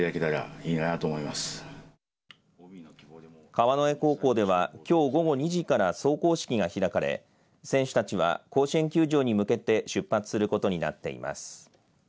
川之江高校ではきょう午後２時から壮行式が開かれ、選手たちは甲子園球場に向けて出発することになっています。